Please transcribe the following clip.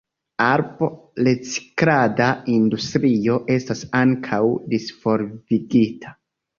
Arbo-reciklada industrio estas ankaŭ disvolvigita.